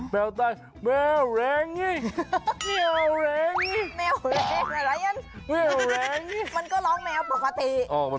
แมวใต้แมวแหลงแมวแหลงแมวแหลงแมวแหลงมันก็ร้องแมวปกติ